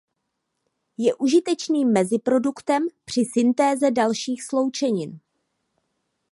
Je užitečným meziproduktem při syntéze dalších sloučenin.